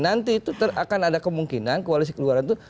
nanti itu akan ada kemungkinan koalisi keluaran itu